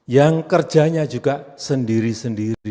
yang kerjanya juga sendiri sendiri